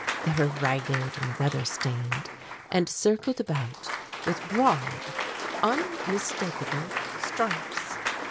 They were ragged and weather stained, and circled about with broad, unmistakable stripes.